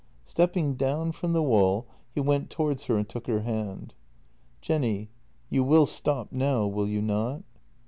Stepping down from the wall, he went towards her and took her hand: " Jenny, you will stop now, will you not?